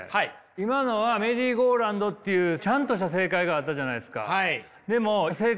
今のはメリーゴーランドっていうちゃんとした正解があったじゃないですか。